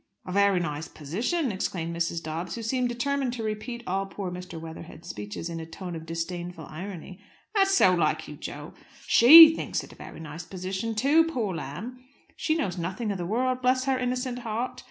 "A very nice position!" exclaimed Mrs. Dobbs, who seemed determined to repeat all poor Mr. Weatherhead's speeches in a tone of disdainful irony. "That's so like you, Jo! She thinks it a very nice position, too, poor lamb. She knows nothing of the world, bless her innocent heart.